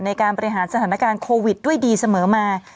ในการบริหารสถานการณ์โควิดด้วยดีเสมอมา